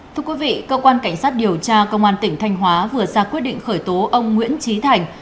thưa quý vị cơ quan cảnh sát điều tra công an tỉnh thanh hóa vừa ra quyết định khởi tố ông nguyễn trí thành